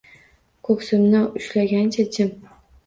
Ko’ksimizni ushlagancha jim